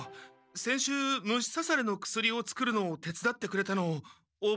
先週虫さされの薬を作るのを手つだってくれたのおぼえてる？